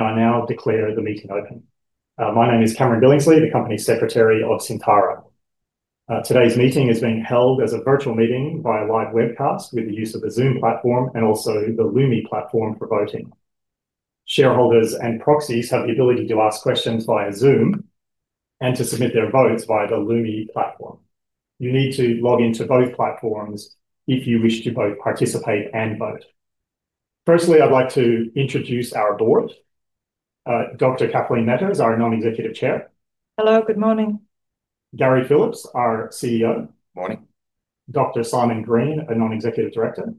I now declare the meeting open. My name is Cameron Billingsley, the Company Secretary of Syntara. Today's meeting is being held as a virtual meeting via live webcast with the use of the Zoom platform and also the LUMI platform for voting. Shareholders and proxies have the ability to ask questions via Zoom and to submit their votes via the LUMI platform. You need to log into both platforms if you wish to both participate and vote. Firstly, I'd like to introduce our board: Dr. Kathleen Metters, our Non-Executive Chair. Hello. Good morning. Gary Phillips, our CEO. Good morning. Dr. Simon Green, a Non-Executive Director.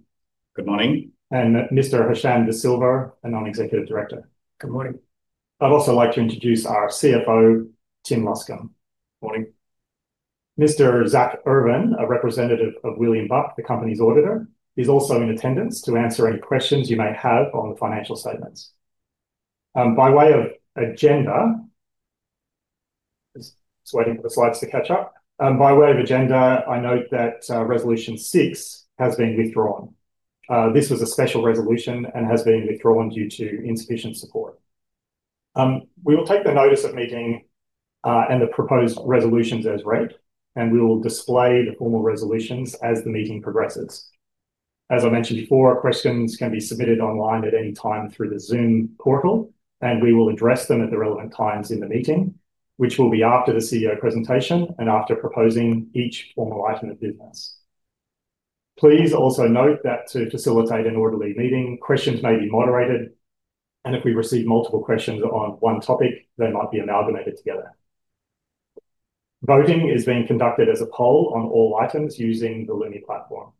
Good morning. Mr. Hashan de Silva, a Non-Executive Director. Good morning. I'd also like to introduce our CFO, Tim Luskin. Morning. Mr. Zak Irvin, a representative of William Buck, the Company's Auditor, is also in attendance to answer any questions you may have on the financial statements. By way of agenda, just waiting for the slides to catch up, by way of agenda, I note that Resolution six has been withdrawn. This was a special resolution and has been withdrawn due to insufficient support. We will take the notice of meeting and the proposed resolutions as read, and we will display the formal resolutions as the meeting progresses. As I mentioned before, questions can be submitted online at any time through the Zoom portal, and we will address them at the relevant times in the meeting, which will be after the CEO presentation and after proposing each formal item of business. Please also note that to facilitate an orderly meeting, questions may be moderated, and if we receive multiple questions on one topic, they might be amalgamated together. Voting is being conducted as a poll on all items using the LUMI platform.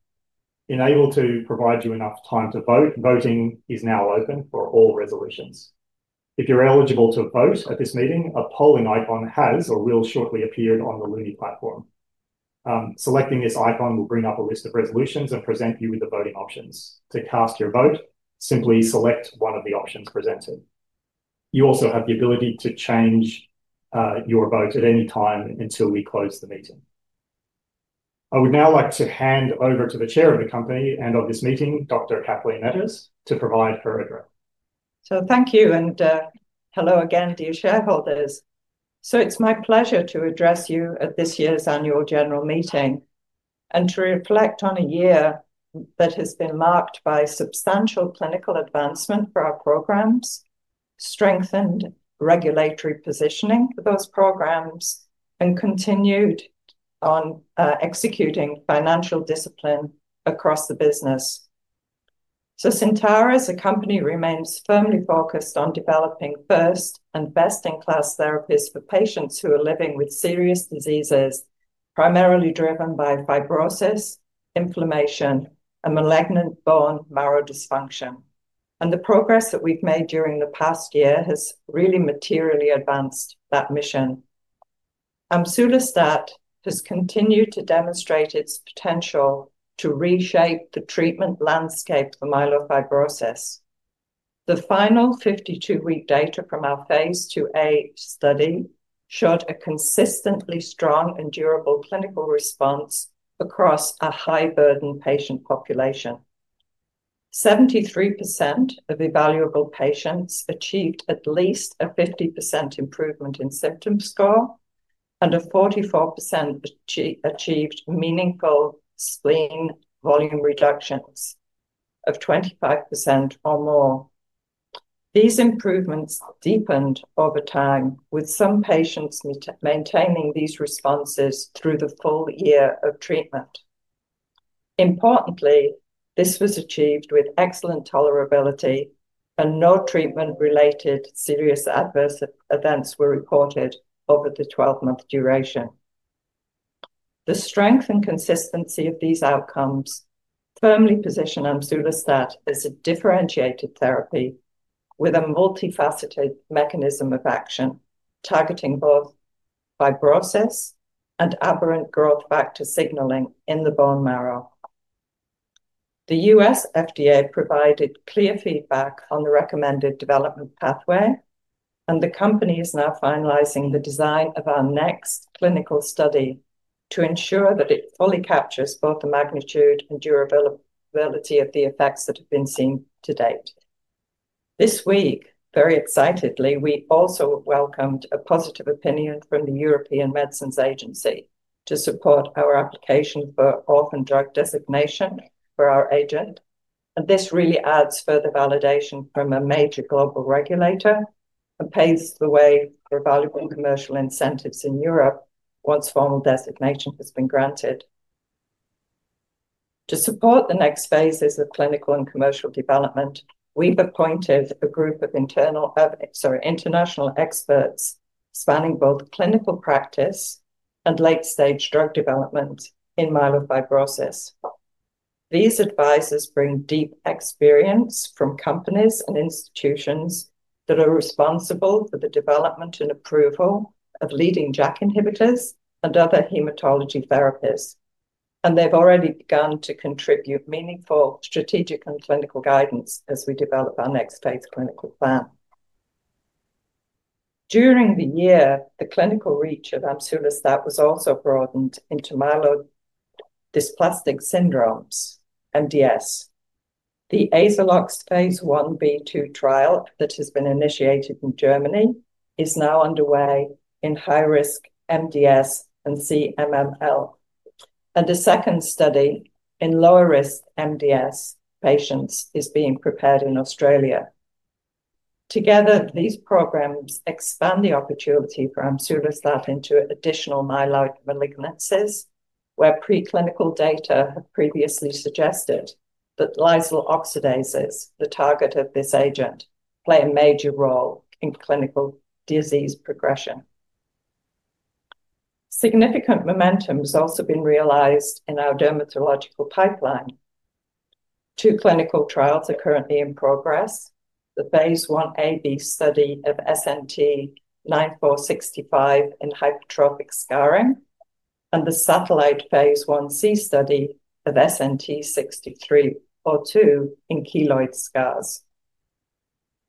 Enabled to provide you enough time to vote, voting is now open for all resolutions. If you're eligible to vote at this meeting, a polling icon has or will shortly appear on the LUMI platform. Selecting this icon will bring up a list of resolutions and present you with the voting options. To cast your vote, simply select one of the options presented. You also have the ability to change your vote at any time until we close the meeting. I would now like to hand over to the Chair of the Company and of this meeting, Dr. Kathleen Metters, to provide her address. Thank you, and hello again to you shareholders. It is my pleasure to address you at this year's annual general meeting and to reflect on a year that has been marked by substantial clinical advancement for our programs, strengthened regulatory positioning for those programs, and continued on executing financial discipline across the business. Syntara as a company remains firmly focused on developing first and best-in-class therapies for patients who are living with serious diseases primarily driven by fibrosis, inflammation, and malignant-bone marrow dysfunction. The progress that we've made during the past year has really materially advanced that mission. Amsulostat has continued to demonstrate its potential to reshape the treatment landscape for myelofibrosis. The final 52-week data from our phase 2A study showed a consistently strong and durable clinical response across a high-burden patient population. 73% of evaluable patients achieved at least a 50% improvement in symptom score, and 44% achieved meaningful spleen volume reductions of 25% or more. These improvements deepened over time, with some patients maintaining these responses through the full year of treatment. Importantly, this was achieved with excellent tolerability, and no treatment-related serious adverse events were reported over the 12-month duration. The strength and consistency of these outcomes firmly position Amsulostat as a differentiated therapy with a multifaceted mechanism of action targeting both fibrosis and aberrant growth factor signaling in the bone marrow. The U.S. FDA provided clear feedback on the recommended development pathway, and the Company is now finalizing the design of our next clinical study to ensure that it fully captures both the magnitude and durability of the effects that have been seen to date. This week, very excitedly, we also welcomed a positive opinion from the European Medicines Agency to support our application for orphan drug designation for our agent, and this really adds further validation from a major global regulator and paves the way for valuable commercial incentives in Europe once formal designation has been granted. To support the next phases of clinical and commercial development, we've appointed a group of international experts spanning both clinical practice and late-stage drug development in myelofibrosis. These advisors bring deep experience from companies and institutions that are responsible for the development and approval of leading JAK inhibitors and other hematology therapies, and they've already begun to contribute meaningful strategic and clinical guidance as we develop our next phase clinical plan. During the year, the clinical reach of Amsulostat was also broadened into myelodysplastic syndromes, MDS. The Azalox phase 1B2 trial that has been initiated in Germany is now underway in high-risk MDS and CMML, and a second study in lower-risk MDS patients is being prepared in Australia. Together, these programs expand the opportunity for Amsulostat into additional myeloid malignancies, where preclinical data have previously suggested that lysyl oxidases, the target of this agent, play a major role in clinical disease progression. Significant momentum has also been realized in our dermatological pipeline. Two clinical trials are currently in progress: the phase 1AB study of SNT-9465 in hypertrophic scarring, and the satellite phase 1C study of SNT-6302 in keloid scars.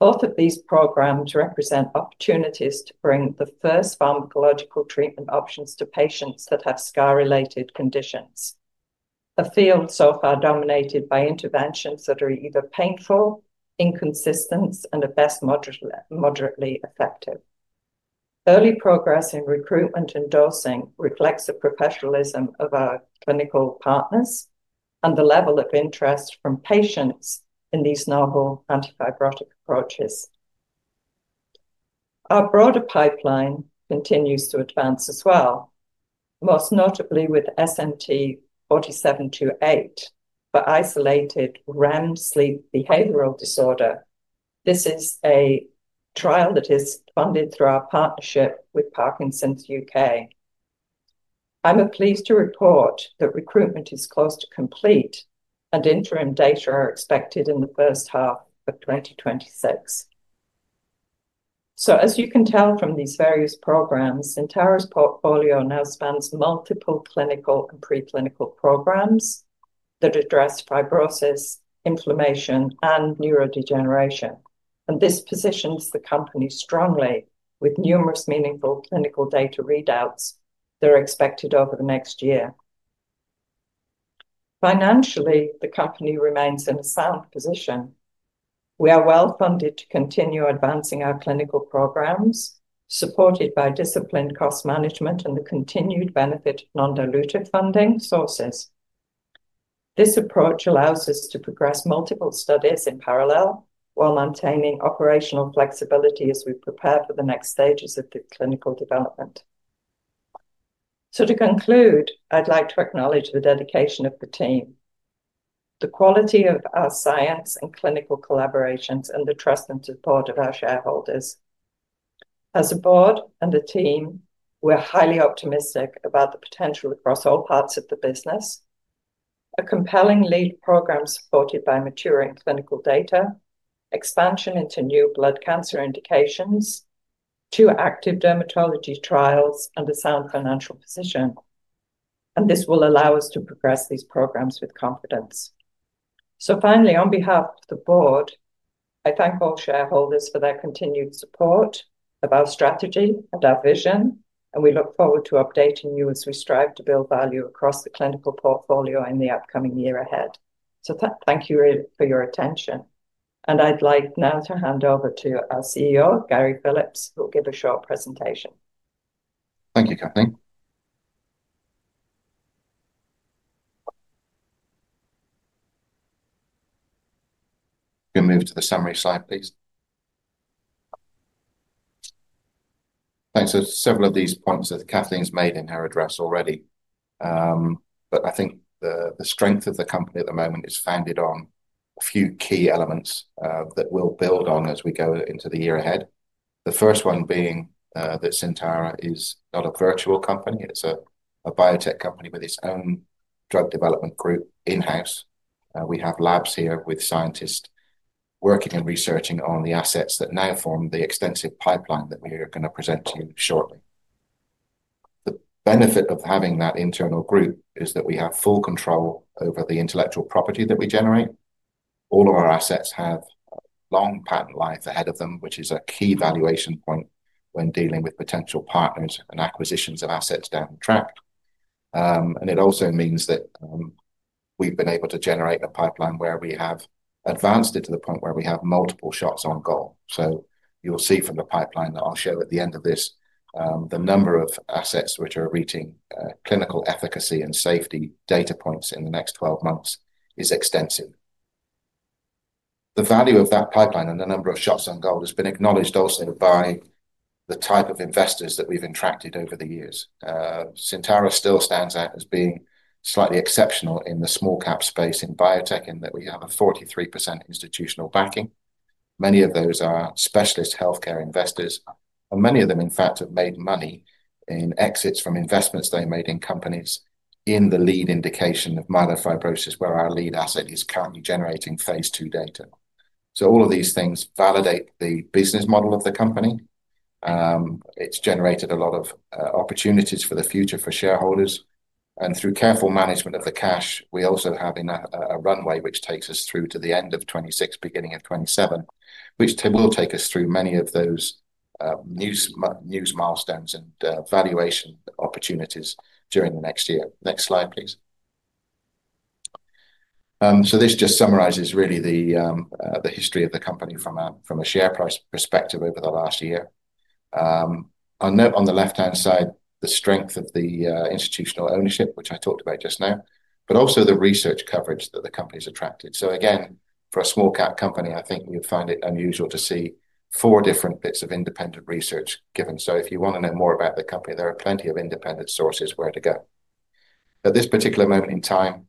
Both of these programs represent opportunities to bring the first pharmacological treatment options to patients that have scar-related conditions, a field so far dominated by interventions that are either painful, inconsistent, and at best moderately effective. Early progress in recruitment and endorsing reflects the professionalism of our clinical partners and the level of interest from patients in these novel antifibrotic approaches. Our broader pipeline continues to advance as well, most notably with SNT-4728 for isolated REM sleep behavioral disorder. This is a trial that is funded through our partnership with Parkinson's U.K. I'm pleased to report that recruitment is close to complete, and interim data are expected in the first half of 2026. As you can tell from these various programs, Syntara's portfolio now spans multiple clinical and preclinical programs that address fibrosis, inflammation, and neurodegeneration, and this positions the Company strongly with numerous meaningful clinical data readouts that are expected over the next year. Financially, the Company remains in a sound position. We are well funded to continue advancing our clinical programs, supported by disciplined cost management and the continued benefit of non-dilutive funding sources. This approach allows us to progress multiple studies in parallel while maintaining operational flexibility as we prepare for the next stages of the clinical development. To conclude, I'd like to acknowledge the dedication of the team, the quality of our science and clinical collaborations, and the trust and support of our shareholders. As a board and a team, we're highly optimistic about the potential across all parts of the business: a compelling lead program supported by maturing clinical data, expansion into new blood cancer indications, two active dermatology trials, and a sound financial position. This will allow us to progress these programs with confidence. Finally, on behalf of the board, I thank all shareholders for their continued support of our strategy and our vision, and we look forward to updating you as we strive to build value across the clinical portfolio in the upcoming year ahead. Thank you for your attention, and I'd like now to hand over to our CEO, Gary Phillips, who will give a short presentation. Thank you, Kathleen. Can we move to the summary slide, please? Thanks. Several of these points that Kathleen's made in her address already, but I think the strength of the Company at the moment is founded on a few key elements that we'll build on as we go into the year ahead. The first one being that Syntara is not a virtual company; it's a biotech company with its own drug development group in-house. We have labs here with scientists working and researching on the assets that now form the extensive pipeline that we are going to present to you shortly. The benefit of having that internal group is that we have full control over the intellectual property that we generate. All of our assets have a long patent life ahead of them, which is a key valuation point when dealing with potential partners and acquisitions of assets down the track. It also means that we've been able to generate a pipeline where we have advanced it to the point where we have multiple shots on goal. You'll see from the pipeline that I'll show at the end of this the number of assets which are reaching clinical efficacy and safety data points in the next 12 months is extensive. The value of that pipeline and the number of shots on goal has been acknowledged also by the type of investors that we've attracted over the years. Syntara still stands out as being slightly exceptional in the small-cap space in biotech in that we have a 43% institutional backing. Many of those are specialist healthcare investors, and many of them, in fact, have made money in exits from investments they made in companies in the lead indication of myelofibrosis, where our lead asset is currently generating phase two data. All of these things validate the business model of the Company. It has generated a lot of opportunities for the future for shareholders, and through careful management of the cash, we also have a runway which takes us through to the end of 2026, beginning of 2027, which will take us through many of those news milestones and valuation opportunities during the next year. Next slide, please. This just summarizes really the history of the Company from a share price perspective over the last year. I'll note on the left-hand side the strength of the institutional ownership, which I talked about just now, but also the research coverage that the Company has attracted. For a small-cap Company, I think you'd find it unusual to see four different bits of independent research given. If you want to know more about the Company, there are plenty of independent sources where to go. At this particular moment in time,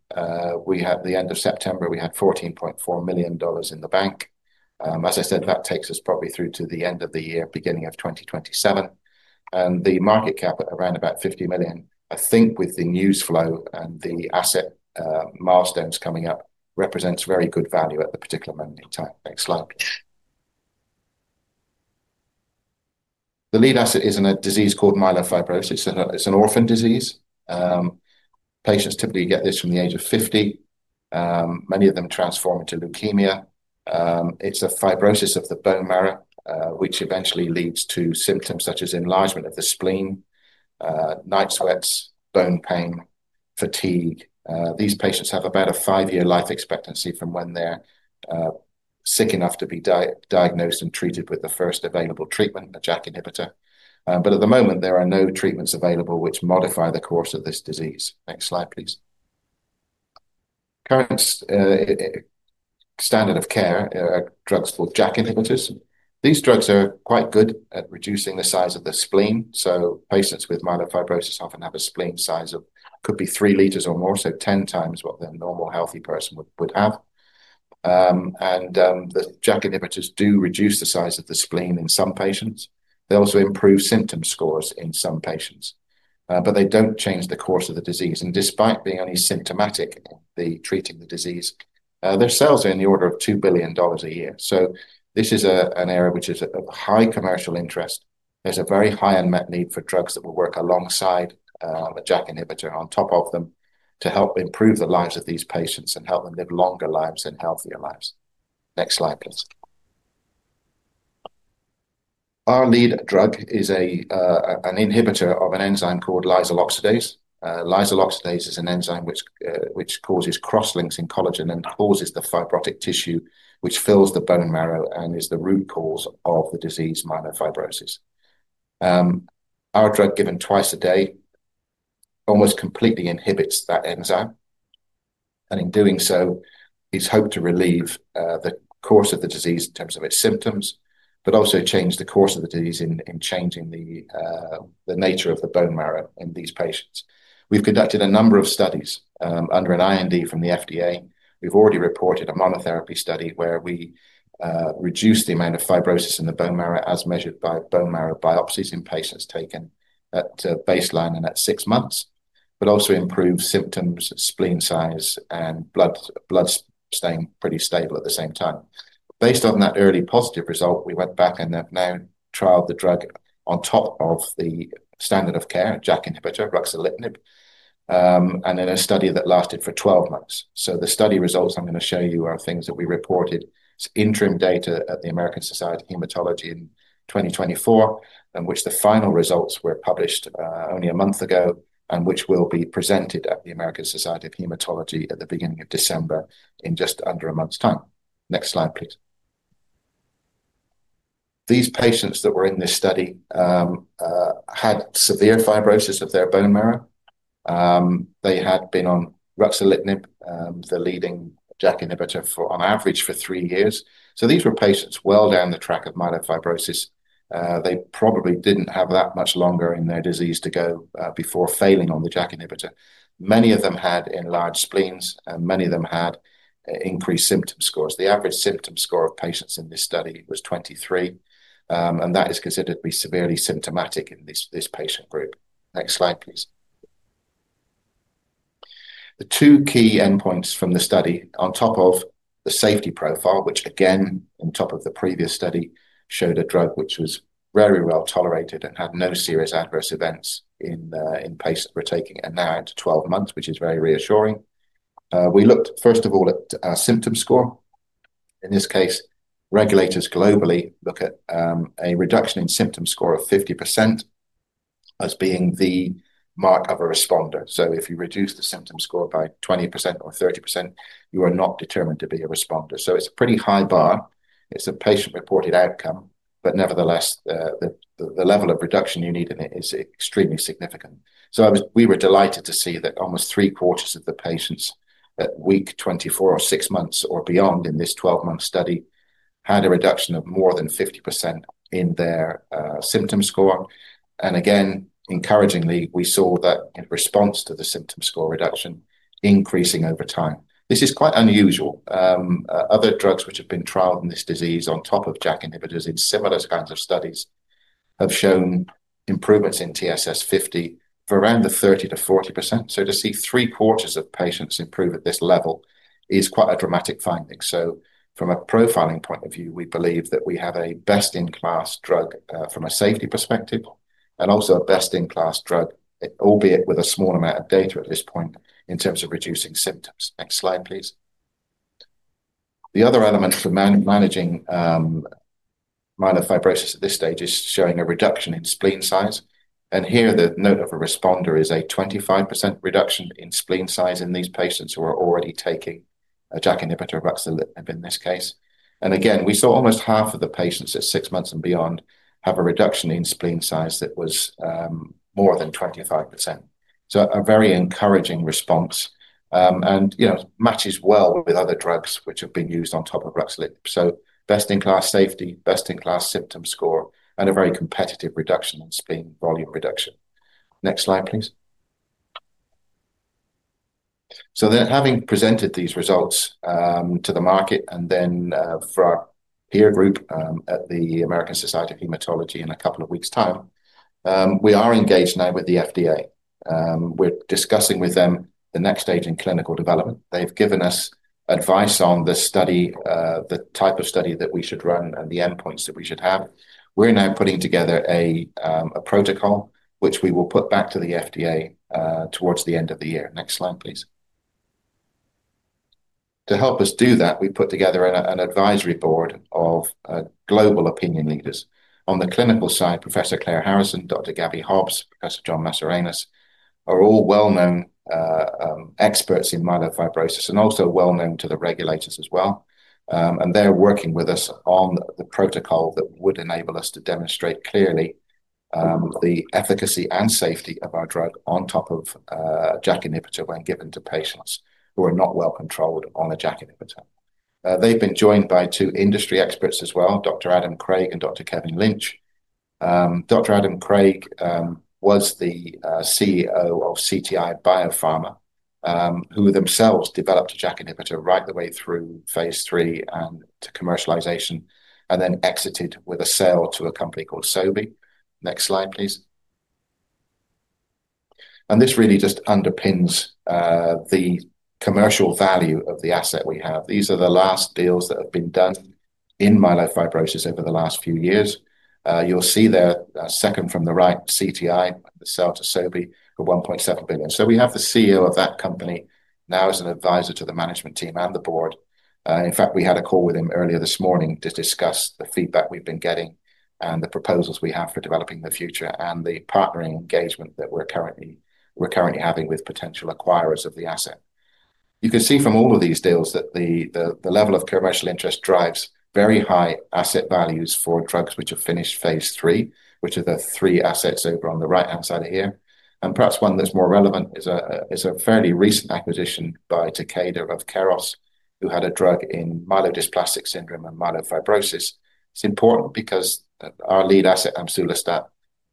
we had at the end of September, we had 14.4 million dollars in the bank. As I said, that takes us probably through to the end of the year, beginning of 2027, and the market cap at around about 50 million, I think with the news flow and the asset milestones coming up, represents very good value at the particular moment in time. Next slide. The lead asset is in a disease called myelofibrosis; it's an orphan disease. Patients typically get this from the age of 50. Many of them transform into leukemia. It's a fibrosis of the bone marrow, which eventually leads to symptoms such as enlargement of the spleen, night sweats, bone pain, fatigue. These patients have about a five-year life expectancy from when they're sick enough to be diagnosed and treated with the first available treatment, a JAK inhibitor. At the moment, there are no treatments available which modify the course of this disease. Next slide, please. Current standard of care are drugs called JAK inhibitors. These drugs are quite good at reducing the size of the spleen. Patients with myelofibrosis often have a spleen size of, could be 3 L or more, 10 times what the normal healthy person would have. The JAK inhibitors do reduce the size of the spleen in some patients. They also improve symptom scores in some patients, but they don't change the course of the disease. Despite being only symptomatic in treating the disease, their sales are in the order of 2 billion dollars a year. This is an area which is of high commercial interest. There's a very high unmet need for drugs that will work alongside a JAK inhibitor on top of them to help improve the lives of these patients and help them live longer lives and healthier lives. Next slide, please. Our lead drug is an inhibitor of an enzyme called lysyl oxidase. Lysyl oxidase is an enzyme which causes cross-links in collagen and causes the fibrotic tissue which fills the bone marrow and is the root cause of the disease myelofibrosis. Our drug, given twice a day, almost completely inhibits that enzyme, and in doing so, it's hoped to relieve the course of the disease in terms of its symptoms, but also change the course of the disease in changing the nature of the bone marrow in these patients. We've conducted a number of studies under an IND from the FDA. We've already reported a monotherapy study where we reduced the amount of fibrosis in the bone marrow as measured by bone marrow biopsies in patients taken at baseline and at six months, but also improved symptoms, spleen size, and blood staying pretty stable at the same time. Based on that early positive result, we went back and have now trialed the drug on top of the standard of care, a JAK inhibitor, Ruxolitinib, and in a study that lasted for 12 months. The study results I'm going to show you are things that we reported. It's interim data at the American Society of Hematology in 2024, in which the final results were published only a month ago and which will be presented at the American Society of Hematology at the beginning of December in just under a month's time. Next slide, please. These patients that were in this study had severe fibrosis of their bone marrow. They had been on Ruxolitinib, the leading JAK inhibitor, for on average for three years. These were patients well down the track of myelofibrosis. They probably didn't have that much longer in their disease to go before failing on the JAK inhibitor. Many of them had enlarged spleens, and many of them had increased symptom scores. The average symptom score of patients in this study was 23, and that is considered to be severely symptomatic in this patient group. Next slide, please. The two key endpoints from the study, on top of the safety profile, which again, on top of the previous study, showed a drug which was very well tolerated and had no serious adverse events in patients that were taking it, and now at 12 months, which is very reassuring. We looked first of all at our symptom score. In this case, regulators globally look at a reduction in symptom score of 50% as being the mark of a responder. If you reduce the symptom score by 20% or 30%, you are not determined to be a responder. It's a pretty high bar. It's a patient-reported outcome, but nevertheless, the level of reduction you need in it is extremely significant. We were delighted to see that almost 3/4 of the patients at week 24 or six months or beyond in this 12-month study had a reduction of more than 50% in their symptom score. Again, encouragingly, we saw that response to the symptom score reduction increasing over time. This is quite unusual. Other drugs which have been trialed in this disease on top of JAK inhibitors in similar kinds of studies have shown improvements in TSS 50 for around the 30%-40%. To see 3/4 of patients improve at this level is quite a dramatic finding. From a profiling point of view, we believe that we have a best-in-class drug from a safety perspective and also a best-in-class drug, albeit with a small amount of data at this point in terms of reducing symptoms. Next slide, please. The other element for managing myelofibrosis at this stage is showing a reduction in spleen size. Here, the note of a responder is a 25% reduction in spleen size in these patients who are already taking a JAK inhibitor, Ruxolitinib in this case. Again, we saw almost half of the patients at six months and beyond have a reduction in spleen size that was more than 25%. A very encouraging response, and you know, matches well with other drugs which have been used on top of Ruxolitinib. Best-in-class safety, best-in-class symptom score, and a very competitive reduction in spleen volume reduction. Next slide, please. Having presented these results to the market and then for our peer group at the American Society of Hematology in a couple of weeks' time, we are engaged now with the FDA. We're discussing with them the next stage in clinical development. They've given us advice on the study, the type of study that we should run and the endpoints that we should have. We're now putting together a protocol which we will put back to the FDA towards the end of the year. Next slide, please. To help us do that, we put together an advisory board of global opinion leaders. On the clinical side, Professor Claire Harrison, Dr. Gabby Hobbs, Professor John Mascarenhas are all well-known experts in myelofibrosis and also well-known to the regulators as well. They are working with us on the protocol that would enable us to demonstrate clearly the efficacy and safety of our drug on top of JAK inhibitor when given to patients who are not well controlled on a JAK inhibitor. They've been joined by two industry experts as well, Dr. Adam Craig and Dr. Kevin Lynch. Dr. Adam Craig was the CEO of CTI Biopharma, who themselves developed a JAK inhibitor right the way through phase three and to commercialization, and then exited with a sale to a company called Sobi. Next slide, please. This really just underpins the commercial value of the asset we have. These are the last deals that have been done in myelofibrosis over the last few years. You'll see there second from the right, CTI, the sale to Sobi for 1.7 billion. We have the CEO of that company now as an advisor to the management team and the board. In fact, we had a call with him earlier this morning to discuss the feedback we've been getting and the proposals we have for developing the future and the partnering engagement that we're currently having with potential acquirers of the asset. You can see from all of these deals that the level of commercial interest drives very high asset values for drugs which have finished phase three, which are the three assets over on the right-hand side here. Perhaps one that's more relevant is a fairly recent acquisition by Takeda of KAROS, who had a drug in myelodysplastic syndrome and myelofibrosis. It's important because our lead asset, Amsulostat,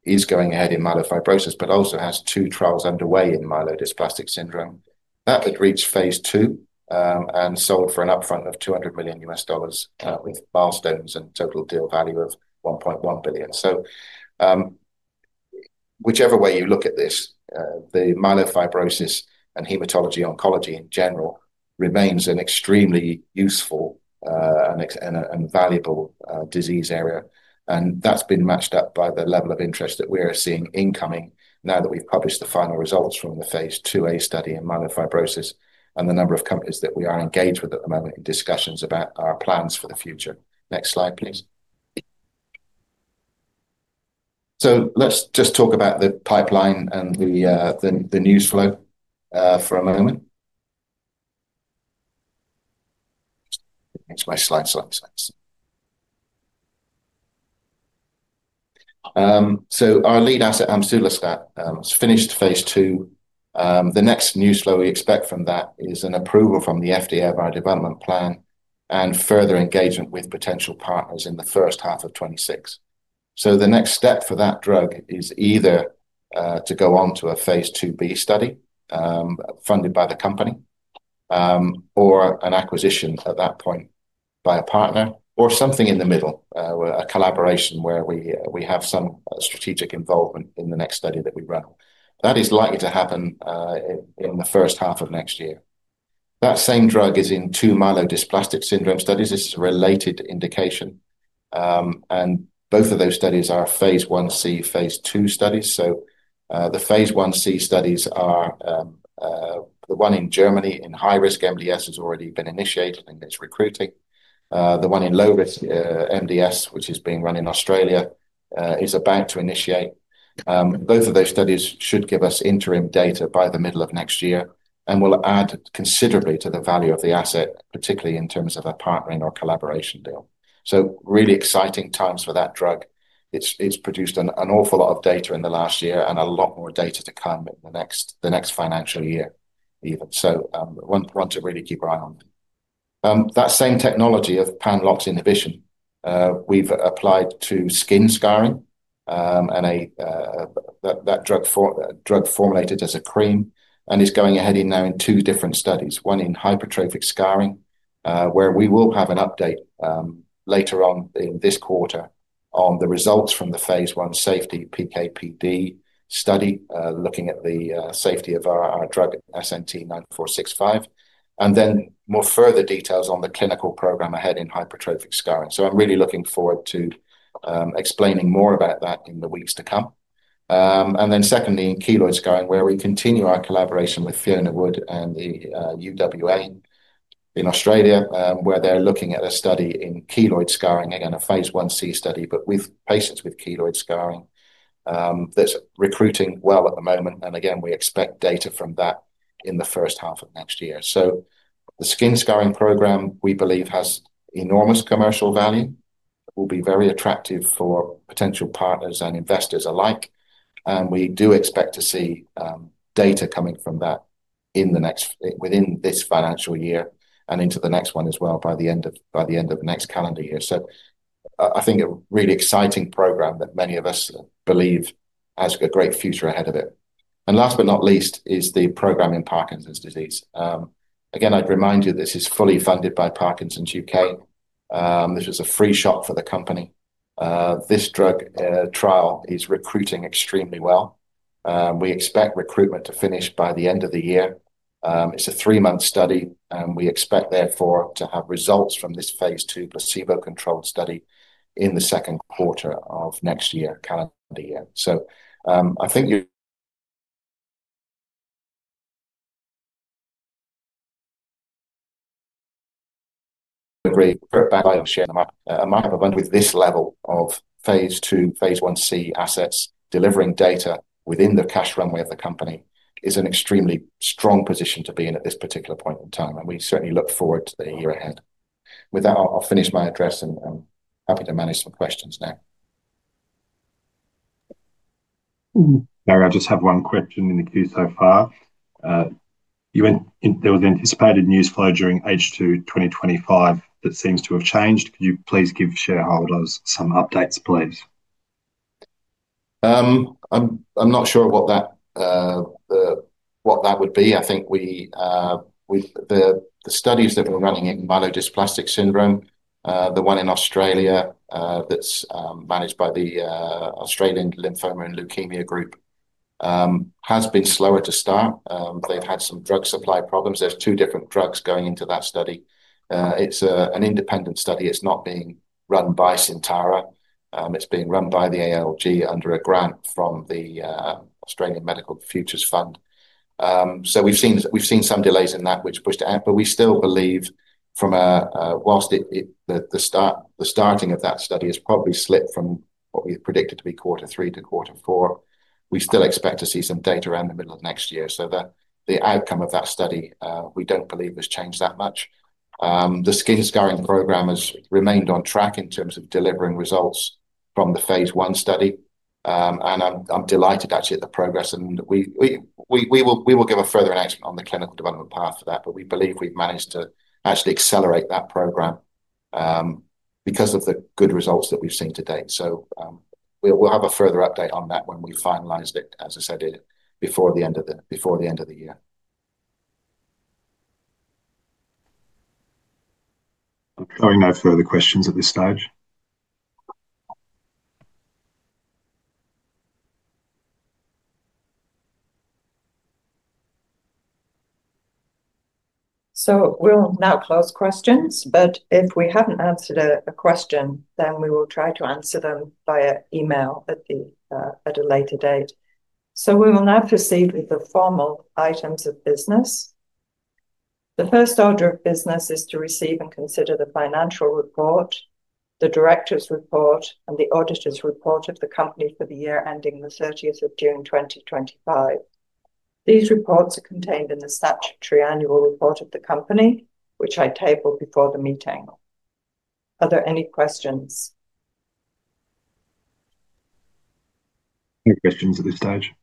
is going ahead in myelofibrosis, but also has two trials underway in myelodysplastic syndrome. That had reached phase two and sold for an upfront of $200 million U.S. dollars with milestones and total deal value of $1.1 billion. Whichever way you look at this, the myelofibrosis and hematology-oncology in general remains an extremely useful and valuable disease area. That has been matched up by the level of interest that we're seeing incoming now that we've published the final results from the phase 2A study in myelofibrosis and the number of companies that we are engaged with at the moment in discussions about our plans for the future. Next slide, please. Let's just talk about the pipeline and the news flow for a moment. Next slide, slide, slide. Our lead asset, Amsulostat, has finished phase two. The next news flow we expect from that is an approval from the FDA of our development plan and further engagement with potential partners in the first half of 2026. The next step for that drug is either to go on to a phase 2B study funded by the company or an acquisition at that point by a partner or something in the middle, a collaboration where we have some strategic involvement in the next study that we run. That is likely to happen in the first half of next year. That same drug is in two myelodysplastic syndrome studies. This is a related indication. Both of those studies are phase 1C, phase two studies. The phase 1C study, the one in Germany in high-risk MDS, has already been initiated and it's recruiting. The one in low-risk MDS, which is being run in Australia, is about to initiate. Both of those studies should give us interim data by the middle of next year and will add considerably to the value of the asset, particularly in terms of a partnering or collaboration deal. Really exciting times for that drug. It's produced an awful lot of data in the last year and a lot more data to come in the next financial year even. One to really keep an eye on. That same technology of pan-LOX inhibition, we've applied to skin scarring and that drug formulated as a cream and is going ahead now in two different studies. One in hypertrophic scarring, where we will have an update later on in this quarter on the results from the phase I safety PKPD study looking at the safety of our drug SNT-9465, and then more further details on the clinical program ahead in hypertrophic scarring. I'm really looking forward to explaining more about that in the weeks to come. Secondly, in keloid scarring, where we continue our collaboration with Fiona Wood and the University of Western Australia in Australia, they're looking at a study in keloid scarring, again, a phase 1C study, but with patients with keloid scarring that's recruiting well at the moment. Again, we expect data from that in the first half of next year. The skin scarring program, we believe, has enormous commercial value. It will be very attractive for potential partners and investors alike. We do expect to see data coming from that within this financial year and into the next one as well by the end of the next calendar year. I think a really exciting program that many of us believe has a great future ahead of it. Last but not least is the program in Parkinson's disease. Again, I'd remind you this is fully funded by Parkinson's U.K. This was a free shot for the company. This drug trial is recruiting extremely well. We expect recruitment to finish by the end of the year. It's a three-month study, and we expect therefore to have results from this phase two placebo-controlled study in the second quarter of next year, calendar year. I think you'll be very proud of sharing a microphone with this level of phase two, phase 1C assets delivering data within the cash runway of the company is an extremely strong position to be in at this particular point in time. We certainly look forward to the year ahead. With that, I'll finish my address and I'm happy to manage some questions now. Gary, I just have one question in the queue so far. There was an anticipated news flow during H2 2025 that seems to have changed. Could you please give shareholders some updates, please? I'm not sure what that would be. I think the studies that we're running in myelodysplastic syndrome, the one in Australia that's managed by the Australian Lymphoma and Leukemia Group, has been slower to start. They've had some drug supply problems. There are two different drugs going into that study. It's an independent study. It's not being run by Syntara. It's being run by the Australian Lymphoma and Leukemia Group under a grant from the Australian Medical Futures Fund. We have seen some delays in that, which pushed it out. We still believe from whilst the starting of that study has probably slipped from what we predicted to be quarter three to quarter four, we still expect to see some data around the middle of next year. The outcome of that study, we don't believe has changed that much. The skin scarring program has remained on track in terms of delivering results from the phase one study. I'm delighted, actually, at the progress. We will give a further announcement on the clinical development path for that, but we believe we've managed to actually accelerate that program because of the good results that we've seen to date. We'll have a further update on that when we finalize it, as I said, before the end of the year. I'm hearing no further questions at this stage. We will now close questions, but if we have not answered a question, then we will try to answer them via email at a later date. We will now proceed with the formal items of business. The first order of business is to receive and consider the financial report, the director's report, and the auditor's report of the company for the year ending the 30th of June, 2025. These reports are contained in the statutory annual report of the company, which I table before the meeting. Are there any questions? No questions at this stage.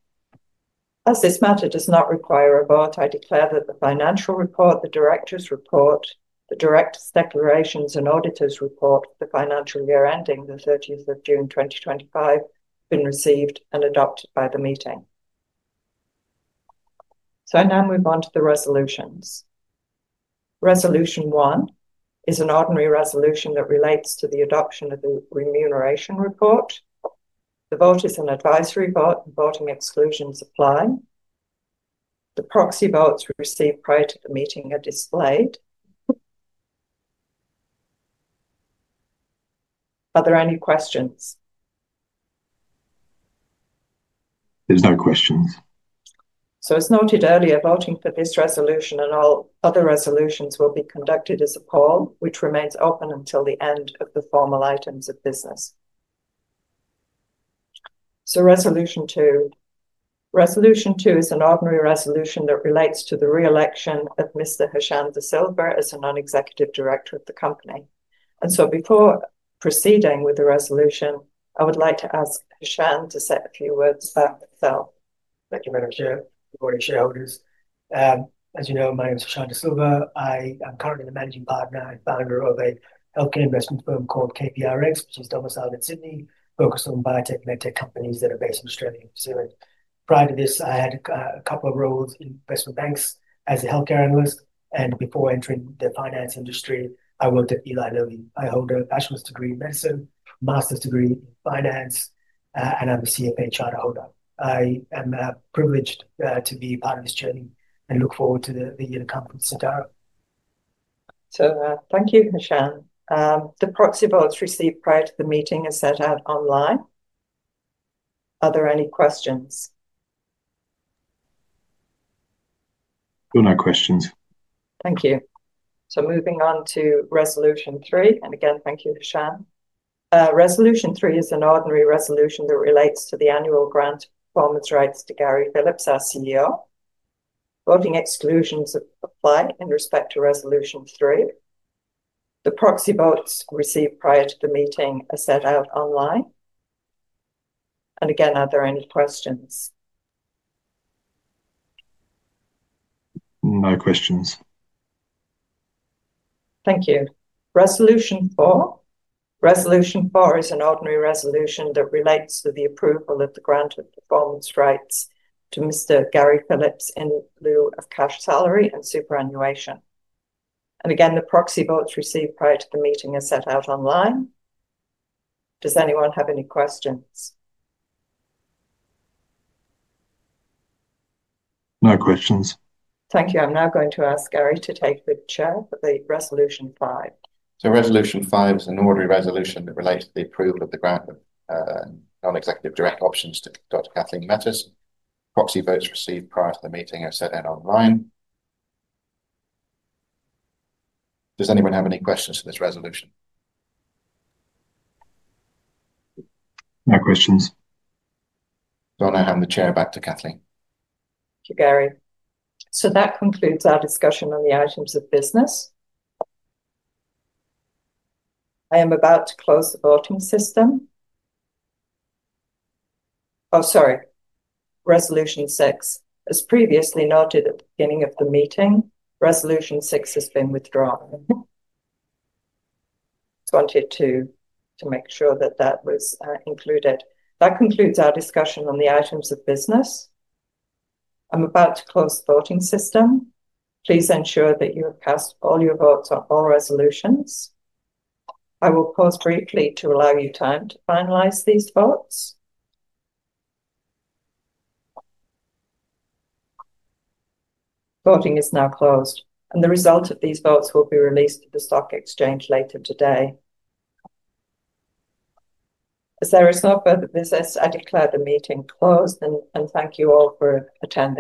As this matter does not require a vote, I declare that the financial report, the director's report, the director's declarations, and auditor's report for the financial year ending the 30th of June, 2025 have been received and adopted by the meeting. I now move on to the resolutions. Resolution one is an ordinary resolution that relates to the adoption of the remuneration report. The vote is an advisory vote. The voting exclusions apply. The proxy votes received prior to the meeting are displayed. Are there any questions? There's no questions. As noted earlier, voting for this resolution and all other resolutions will be conducted as a poll, which remains open until the end of the formal items of business. Resolution two. Resolution two is an ordinary resolution that relates to the reelection of Mr. Hashan de Silva as a Non-Executive Director of the company. Before proceeding with the resolution, I would like to ask Hashan to say a few words about himself. Thank you, Madam Chair, board and shareholders. As you know, my name is Hashan de Silva. I am currently the managing partner and founder of a healthcare investment firm called KPRX, which is domiciled in Sydney, focused on biotech and medtech companies that are based in Australia and New Zealand. Prior to this, I had a couple of roles in investment banks as a healthcare analyst. Before entering the finance industry, I worked at Eli Lilly. I hold a bachelor's degree in medicine, a master's degree in finance, and I'm a CFA charter holder. I am privileged to be part of this journey and look forward to the year to come from Syntara. Thank you, Hashan. The proxy votes received prior to the meeting are set out online. Are there any questions? There are no questions. Thank you. Moving on to resolution three. Again, thank you, Hashan. Resolution three is an ordinary resolution that relates to the annual grant performance rights to Gary Phillips, our CEO. Voting exclusions apply in respect to resolution three. The proxy votes received prior to the meeting are set out online. Are there any questions? No questions. Thank you. Resolution four. Resolution four is an ordinary resolution that relates to the approval of the grant of performance rights to Mr. Gary Phillips in lieu of cash salary and superannuation. The proxy votes received prior to the meeting are set out online. Does anyone have any questions? No questions. Thank you. I am now going to ask Gary to take the chair for resolution five. Resolution five is an ordinary resolution that relates to the approval of the grant of non-executive direct options to Dr. Kathleen Metters. Proxy votes received prior to the meeting are set out online. Does anyone have any questions for this resolution? No questions. Don't know. I'm the Chair. Back to Kathleen. Thank you, Gary. That concludes our discussion on the items of business. I am about to close the voting system. Oh, sorry. Resolution six. As previously noted at the beginning of the meeting, resolution six has been withdrawn. Just wanted to make sure that that was included. That concludes our discussion on the items of business. I am about to close the voting system. Please ensure that you have cast all your votes on all resolutions. I will pause briefly to allow you time to finalize these votes. Voting is now closed. The result of these votes will be released to the stock exchange later today. As there is no further business, I declare the meeting closed and thank you all for attending.